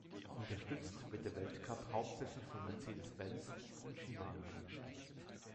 Unterstützt wird der Weltcup hauptsächlich von Mercedes-Benz und Shimano.